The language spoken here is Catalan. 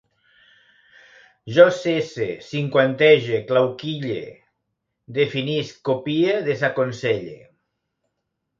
Jo cesse, cinquantege, clauquille, definisc, copie, desaconselle